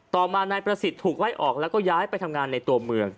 ต่อมานายประสิทธิ์ถูกไล่ออกแล้วก็ย้ายไปทำงานในตัวเมือง